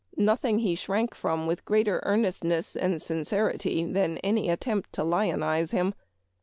Nothing he shrank from with greater earnestness and sincerity than any attempt to lionize him.